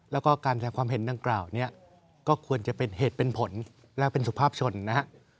แล้วก็การแสดงความเห็นดังกล่าวเนี่ยก็ควรจะเป็นเหตุเป็นผลและเป็นสุภาพชนนะฮะ